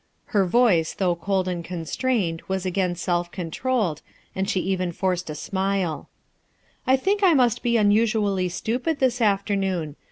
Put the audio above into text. Hcr vdce ^° cold and constrained was again self controlled and she even forced a smile. "1 think I must be unusually stupid this after noon.